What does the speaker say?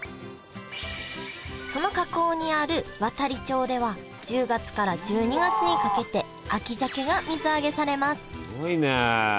その河口にある亘理町では１０月から１２月にかけて秋鮭が水揚げされますすごいね。